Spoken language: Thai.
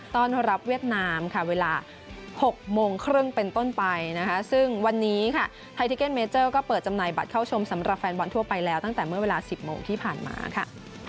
ต้อนรับเวียดนามค่ะเวลา๖โมงครึ่งเป็นต้นไปนะคะซึ่งวันนี้ค่ะไททิเก็นเมเจอร์ก็เปิดจำหน่ายบัตรเข้าชมสำหรับแฟนบอลทั่วไปแล้วตั้งแต่เมื่อเวลา๑๐โมงที่ผ่านมาค่ะ